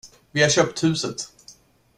Vi har köpt huset!